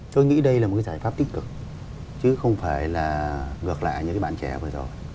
tôi nghĩ đây là giải pháp tích cực chứ không phải là ngược lại như các bạn trẻ vừa rồi